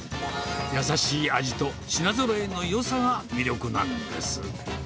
優しい味と品ぞろえのよさが魅力なんです。